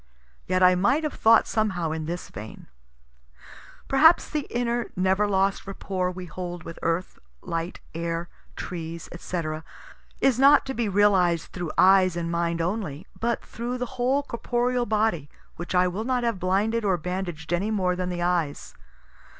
Yet I might have thought somehow in this vein: Perhaps the inner never lost rapport we hold with earth, light, air, trees, &c., is not to be realized through eyes and mind only, but through the whole corporeal body, which I will not have blinded or bandaged any more than the eyes.